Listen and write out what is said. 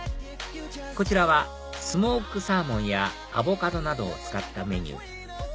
こちらはスモークサーモンやアボカドなどを使ったメニュー